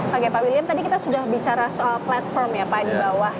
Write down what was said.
oke pak william tadi kita sudah bicara soal platform ya pak di bawah